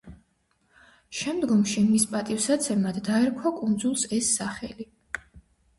შემდგომში მის პატივსაცემად დაერქვა კუნძულს ეს სახელი.